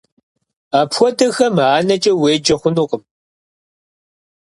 Апхуэдэхэм анэкӀэ уеджэ хъунукъым.